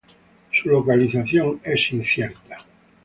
Su localización es incierta.